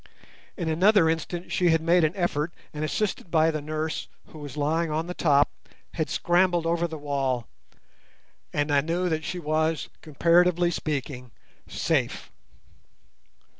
In another instant she had made an effort, and assisted by the nurse, who was lying on the top, had scrambled over the wall, and I knew that she was, comparatively speaking, safe.